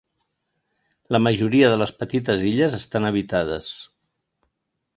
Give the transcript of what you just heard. La majoria de les petites illes estan habitades.